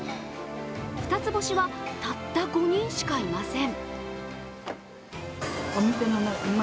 二つ星は、たった５人しかいません。